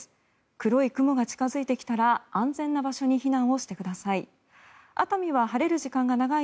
黒い雲が近付いてきたら安全な場所に避難をしてください。